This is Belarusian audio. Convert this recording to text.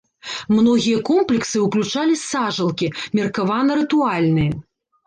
Многія комплексы ўключалі сажалкі, меркавана рытуальныя.